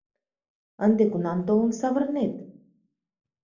— Ынде кунам толын савырнет?